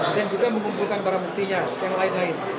dan juga mengumpulkan para buktinya yang lain lain